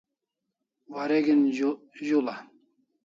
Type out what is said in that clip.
wareg'in zul'a